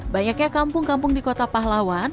banyaknya kampung kampung di kota pahlawan